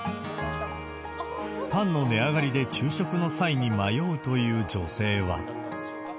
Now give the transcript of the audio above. パンの値上がりで、昼食の際に迷うという女性は。